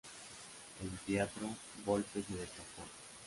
En teatro, Volpe, se destacó.